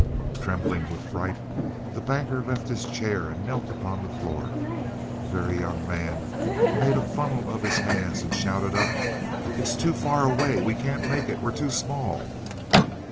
Trembling with fright, the Banker left his chair and knelt upon the floor. The Very Young Man made a funnel of his hands and shouted up: "It's too far away. We can't make it we're too small!"